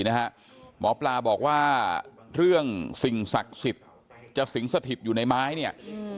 หมอปลาบอกว่าเรื่องสิ่งศักดิ์สิทธิ์จะสิงสถิตอยู่ในไม้เนี่ย